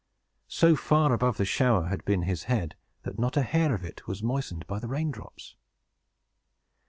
So far above the shower had been his head, that not a hair of it was moistened by the rain drops!